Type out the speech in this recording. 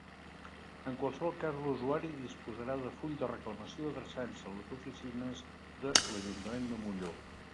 En qualsevol cas l'usuari disposarà del full de reclamació adreçant-se a les oficines de l'Ajuntament de Molló.